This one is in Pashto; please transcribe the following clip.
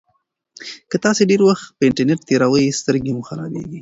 که تاسي ډېر وخت په انټرنيټ تېروئ سترګې مو خرابیږي.